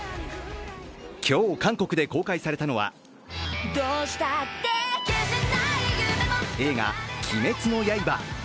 今日、韓国で公開されたのは映画「鬼滅の刃」。